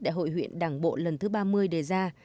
đại hội huyện đảng bộ lần thứ ba mươi đề ra